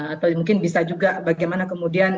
atau mungkin bisa juga bagaimana kemudian